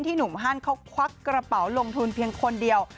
หนุ่มฮันเขาควักกระเป๋าลงทุนเพียงคนเดียว